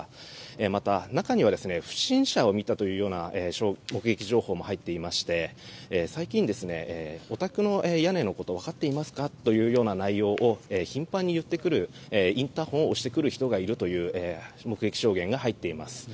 また、中には不審者を見たという目撃情報も入っていまして最近、お宅の屋根のことをわかっていますかということを頻繁に言ってくるインターホンを押してくる人がいるという目撃証言が入っています。